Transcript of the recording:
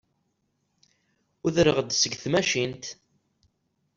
Udreɣ-d seg tmacint.